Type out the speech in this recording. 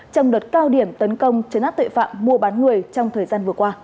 trong đợt cao điểm tấn công chấn át tội phạm mùa bán người trong thời gian vừa qua